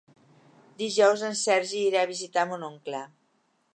Dijous en Sergi irà a visitar mon oncle.